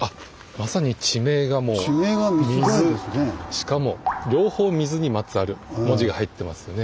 しかも両方水にまつわる文字が入ってますよね。